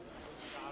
あ‼あ‼